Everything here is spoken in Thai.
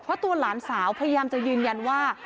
เพราะตัวหลานสาวพยายามจะยืนยันว่า